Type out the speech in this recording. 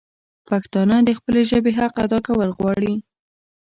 پښتانه د خپلي ژبي حق ادا کول غواړي